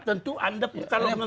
tentu anda kalau pemerintah